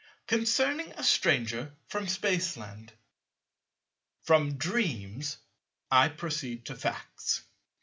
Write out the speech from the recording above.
§ 15 Concerning a Stranger from Spaceland From dreams I proceed to facts.